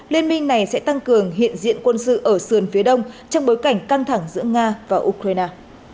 liên minh này sẽ tăng cường hiện diện quân sự ở sườn phía đông trong bối cảnh căng thẳng giữa nga và ukraine